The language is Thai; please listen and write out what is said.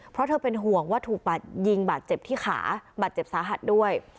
เพราะเธอเป็นห่วงว่าถูกยิงบาดเจ็บที่ขาบาดเจ็บสาหัสด้วย